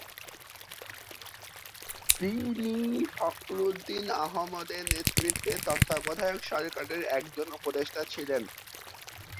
তিনি ফখরুদ্দীন আহমদের নেতৃত্বে তত্ত্বাবধায়ক সরকারের একজন উপদেষ্টা ছিলেন।